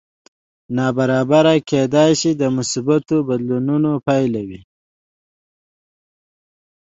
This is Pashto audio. نابرابري کېدی شي د مثبتو بدلونونو پایله وي